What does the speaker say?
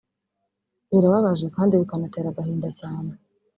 Birababaje kandi bikanatera agahinda cyane